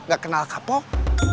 gak kenal kapok